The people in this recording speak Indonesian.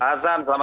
hasan selamat malam